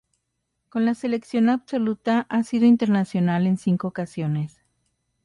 Con la selección absoluta ha sido internacional en cinco ocasiones.